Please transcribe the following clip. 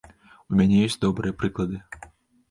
У мяне ёсць добрыя прыклады.